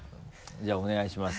じゃあお願いします。